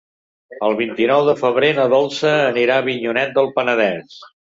El vint-i-nou de febrer na Dolça anirà a Avinyonet del Penedès.